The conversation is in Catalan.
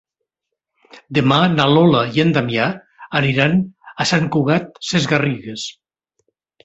Demà na Lola i en Damià aniran a Sant Cugat Sesgarrigues.